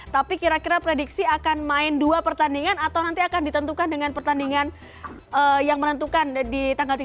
tapi kira kira prediksi akan main dua pertandingan atau nanti akan ditentukan dengan pertandingan yang menentukan di tanggal tiga puluh